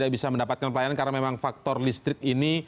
bisa mendapatkan pelayanan karena memang faktor listrik ini